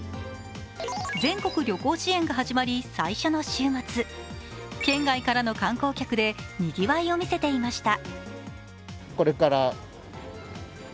全国旅行支援が始まり最初の週末県外からの観光客でにぎわいを見せていました。